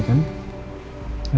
kasih waktu kasih ruang